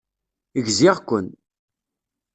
Gziɣ-ken.